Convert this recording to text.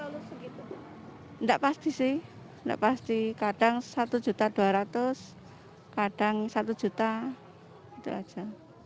nggak pasti sih nggak pasti kadang satu dua ratus kadang satu itu aja